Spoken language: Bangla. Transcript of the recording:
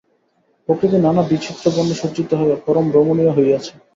প্রকৃতি নানা বিচিত্র বর্ণে সজ্জিত হইয়া পরম রমণীয় হইয়াছে।